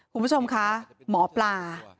คุณผู้ชมคะหมอปลา